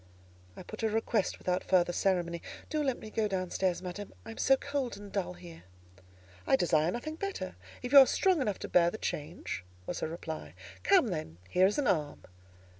I put a request without further ceremony. "Do let me go down stairs, madam; I am so cold and dull here." "I desire nothing better, if you are strong enough to bear the change," was her reply. "Come then; here is an arm."